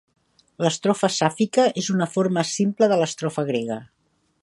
L'estrofa sàfica és una forma simple de l'estrofa grega.